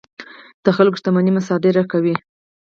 د خلکو شتمنۍ مصادره کوي.